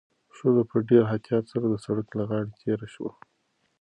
ښځه په ډېر احتیاط سره د سړک له غاړې تېره شوه.